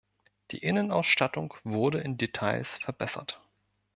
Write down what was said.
Die Innenausstattung wurde in Details verbessert.